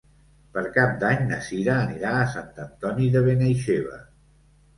Per Cap d'Any na Cira anirà a Sant Antoni de Benaixeve.